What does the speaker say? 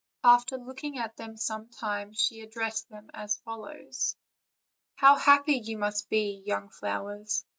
After look ing at them some time, she addressed them as follows: "How happy you must be, young flowers!